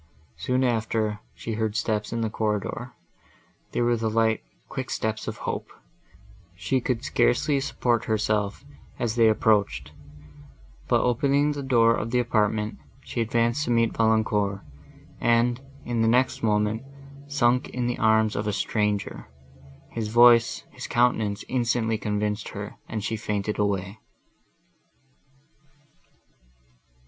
Soon after, she heard steps in the corridor;—they were the light, quick steps of hope; she could scarcely support herself, as they approached, but opening the door of the apartment, she advanced to meet Valancourt, and, in the next moment, sunk in the arms of a stranger. His voice—his countenance instantly convinced her, and she fainted away.